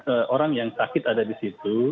jadi kemudian orang yang sakit ada di situ